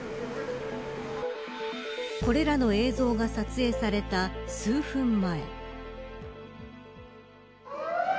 これらの映像が撮影された数分前。